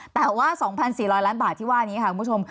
แต่ว่า๒๔๐๐ล้านบาทที่ว่านี้ค่ะคุณผู้ชม